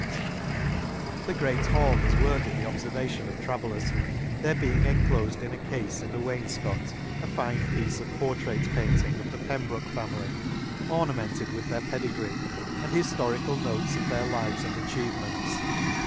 Th e 36 J» Excursion to The great hall is worthy the obferva tion of travellers, there being enclofed in a cafe in the wainfcot a fine piece of por trait painting, of the Pembroke family, ornamented with their pedigree, and his torical notes of their lives and atchieve inents.